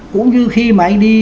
cũng như khi mà anh đi